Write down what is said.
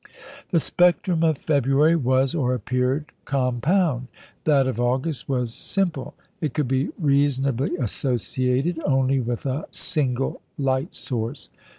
The spectrum of February was or appeared compound; that of August was simple; it could be reasonably associated only with a single light source.